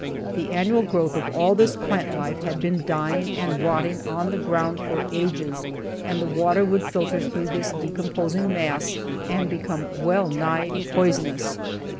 The annual growth of all this plant life had been dying and rotting on the ground for ages, and the water would filter through this decomposing mass, and become well nigh poisonous.